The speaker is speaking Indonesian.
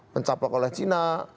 pencaplok oleh cina